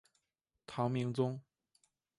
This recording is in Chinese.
唐明宗